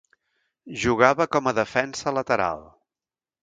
Jugava com a defensa lateral.